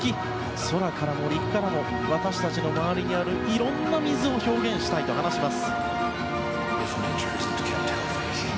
空からも陸からも私たちの周りにあるいろんな水を表現したいと話します。